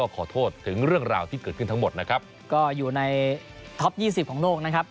ก็อยู่ในอายุท้อปยี่สิบของโลกนะครับ